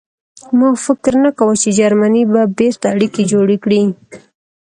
ما فکر نه کاوه چې جرمني به بېرته اړیکې جوړې کړي